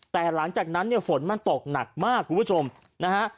แต่หลังจากนั้นเนี่ยฝนมันตกหนักมากคุณผู้ชมนะฮะ